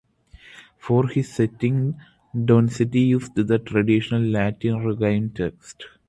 For his setting Donizetti used the traditional Latin Requiem text.